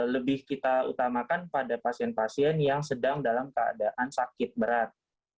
lebih kita utamakan pada pasien pasien yang sedang dalam keadaan sakit berat